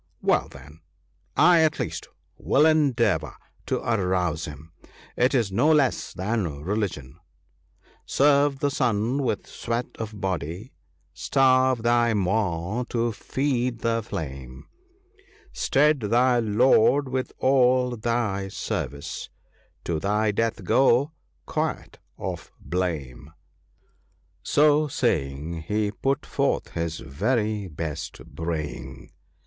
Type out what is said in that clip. Well, then, I at least will endeavour to arouse him ; it is no less than religion, " Serve the Sun with sweat of body; starve thy maw to feed the flame ( 35 ); Stead thy lord with all thy service ; to thy death go, quit of blame. " So saying, he put forth his very best braying.